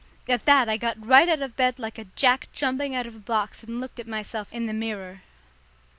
At that I got right out of bed like a jack jumping out of a box and looked at myself in the mirror.